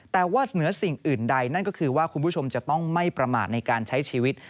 แต่ว่าเหนือสิ่งอื่นใดนั่นก็คือว่าคุณผู้ชมจะต้องไม่ประมาทในการใช้ชีวิต